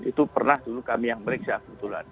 itu pernah dulu kami yang periksa kebetulan